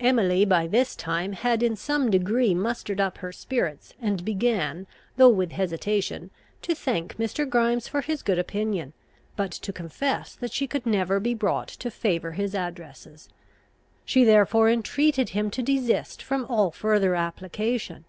Emily by this time had in some degree mustered up her spirits, and began, though with hesitation, to thank Mr. Grimes for his good opinion, but to confess that she could never be brought to favour his addresses. She therefore entreated him to desist from all further application.